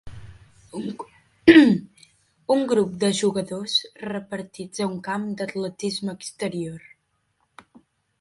Un grup de jugadors repartits a un camp d'atletisme exterior.